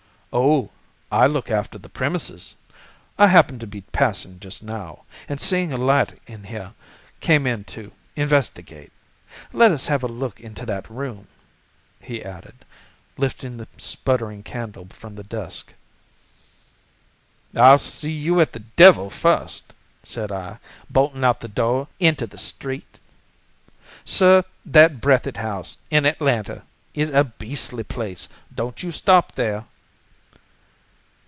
"'Oh, I look after the premises. I happened to be passing just now, and seeing a light in here came in to investigate. Let us have a look into that room,' he added, lifting the sputtering candle from the desk. "'I'll see you at the devil first!' said I, bolting out of the door into the street. "Sir, that Breathitt House, in Atlanta, is a beastly place! Don't you stop there."